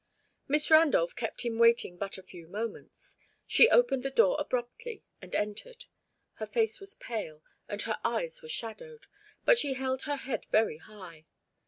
Miss Randolph kept him waiting but a few moments. She opened the door abruptly and entered. Her face was pale, and her eyes were shadowed; but she held her head very high.